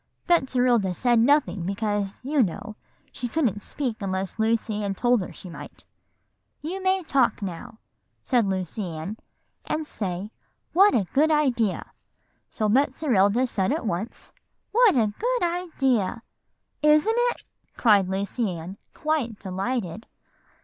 "Betserilda said nothing, because, you know, she couldn't speak unless Lucy Ann told her she might. 'You may talk now,' said Lucy Ann, 'and say, "What a good idea."' So Betserilda said at once, 'What a good idea.' "'Isn't it?' cried Lucy Ann, quite delighted."